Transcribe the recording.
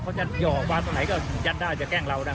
จะหย่อวางตรงไหนก็ยัดได้จะแกล้งเรานะ